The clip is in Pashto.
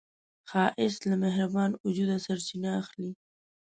ښایست له مهربان وجوده سرچینه اخلي